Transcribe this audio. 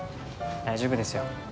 大丈夫ですよ。